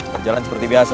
berjalan seperti biasa